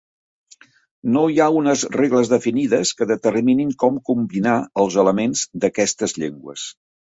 No hi ha unes regles definides que determinin com combinar els elements d'aquestes llengües.